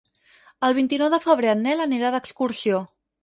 El vint-i-nou de febrer en Nel anirà d'excursió.